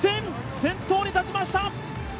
先頭に立ちました。